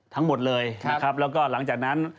ทั้งหมดเลยนะครับแล้วก็หลังจากนั้น